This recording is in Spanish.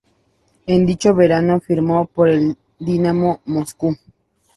En dicho verano firmó por el Dinamo Moscú.